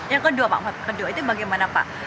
yang kedua pak kedua itu bagaimana pak